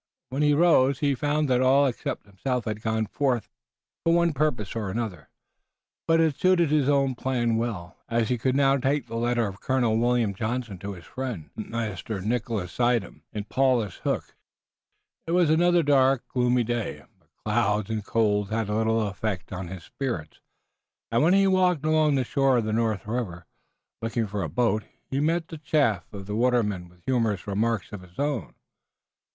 When he rose he found that all except himself had gone forth for one purpose or another, but it suited his own plan well, as he could now take the letter of Colonel William Johnson to his friend, Master Nicholas Suydam, in Paulus Hook. It was another dark, gloomy day, but clouds and cold had little effect on his spirits, and when he walked along the shore of the North River, looking for a boat, he met the chaff of the watermen with humorous remarks of his own.